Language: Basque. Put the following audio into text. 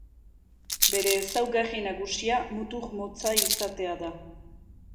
Bere ezaugarri nagusia mutur motza izatea da.